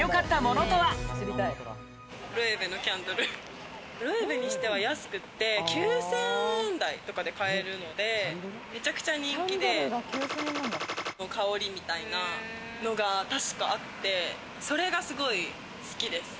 ロエベにしては安くて、９０００円台とかで買えるので、めちゃくちゃ人気で、の香りみたいなのがあって、それが、すごい好きです。